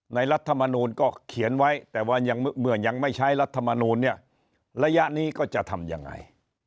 รัฐมนูลก็เขียนไว้แต่ว่ายังเมื่อยังไม่ใช้รัฐมนูลเนี่ยระยะนี้ก็จะทำยังไง